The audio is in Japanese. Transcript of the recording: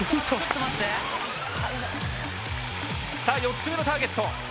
さあ４つ目のターゲット。